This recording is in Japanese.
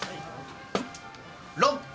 ロン！